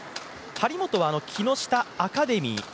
張本は木下アカデミー。